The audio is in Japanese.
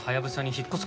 引っ越す。